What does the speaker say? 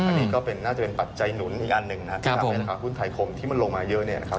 อันนี้ก็น่าจะเป็นปัจจัยหนุนอีกอันหนึ่งนะครับ